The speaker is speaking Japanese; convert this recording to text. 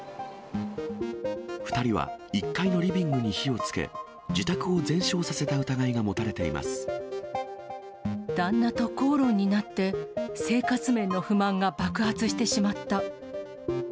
２人は１階のリビングに火をつけ、自宅を全焼させた疑いが持たれて旦那と口論になって、生活面の不満が爆発してしまった。